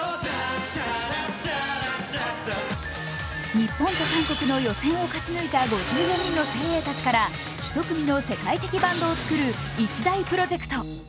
日本と韓国の予選を勝ち抜いた５４人の精鋭たちから１組の世界的バンドを作る一大プロジェクト。